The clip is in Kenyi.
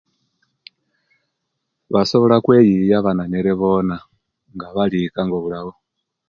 Basobola okweiyiya abananyere boona nga bali ikka nga obulawo.